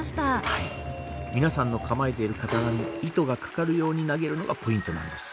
はい皆さんの構えている刀に糸が掛かるように投げるのがポイントなんです。